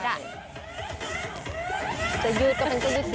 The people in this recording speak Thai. จะยืดก็เป็นตัวยืดสินะ